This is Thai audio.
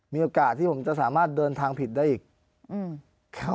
มีโอกาสที่ผมจะสามารถเดินทางผิดได้อีก